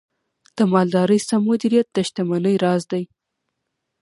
د مالدارۍ سم مدیریت د شتمنۍ راز دی.